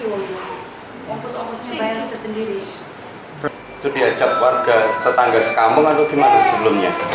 untuk diajak warga tetangga sekamung atau gimana sebelumnya